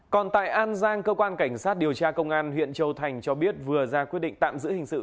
còn tại an giang cơ quan cảnh sát điều tra công an huyện châu thành cho biết vừa ra quyết định tạm giữ hình sự